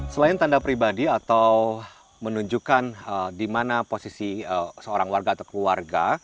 selain tanda pribadi atau menunjukkan di mana posisi seorang warga atau keluarga